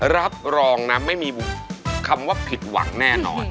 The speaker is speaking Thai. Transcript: รับรองนะไม่มีคำว่าผิดหวังแน่นอน